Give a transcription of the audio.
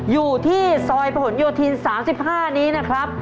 อยู่ที่ซอยผนโยธิน๓๕นี้นะครับ